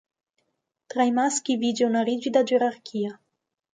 Tra i maschi vige una rigida gerarchia.